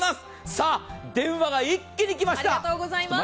さあ、電話が一気に来ました。